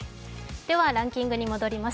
ではランキングに戻ります。